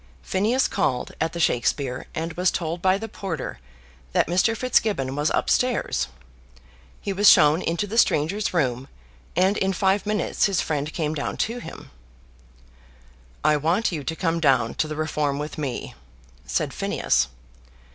Phineas called at the Shakspeare, and was told by the porter that Mr. Fitzgibbon was up stairs. He was shown into the strangers room, and in five minutes his friend came down to him. "I want you to come down to the Reform with me," said Phineas.